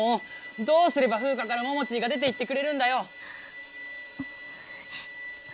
どうすればフウカからモモチーが出ていってくれるんだよ！